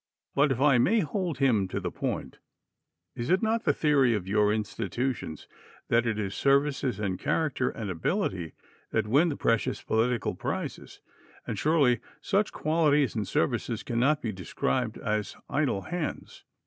But if I may hold him to the point, is it not the theory of your institutions that it is services and character and ability that win the precious political prizes, and surely such qualities and services cannot be described as idle hands?